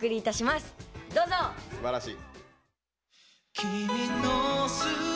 すばらしい。